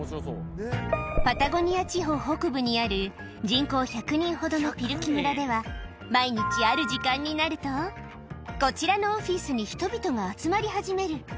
パタゴニア地方北部にある人口１００人ほどのピルキ村では、毎日ある時間になると、こちらのオフィスに人々が集まり始める。